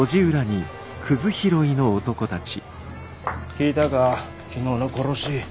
聞いたか昨日の殺し。